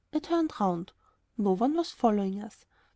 I turned round. No one was following us.